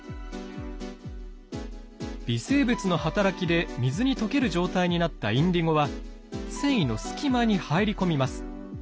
微生物の働きで水に溶ける状態になったインディゴは繊維の隙間に入り込みます。